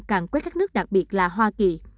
càng quét các nước đặc biệt là hoa kỳ